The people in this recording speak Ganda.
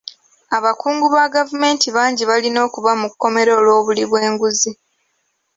Abakungu ba gavumenti bangi balina okuba mu kkomera olw'obuli bw'enguzi.